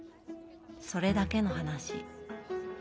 それだけの話。